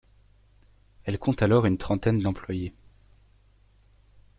Elle compte alors une trentaine d'employés.